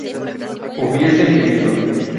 hubiesen vivido